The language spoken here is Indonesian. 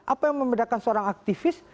apa yang membedakan seorang aktivis